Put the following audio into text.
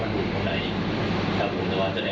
คายถึงแล้วขายตันเลย